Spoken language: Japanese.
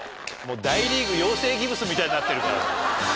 大リーグ養成ギブスみたいになってるから。